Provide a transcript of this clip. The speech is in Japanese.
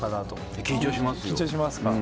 緊張しますか。